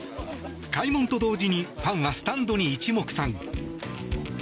開門と同時にファンはスタンドに一目散。